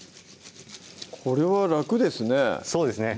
これは楽ですね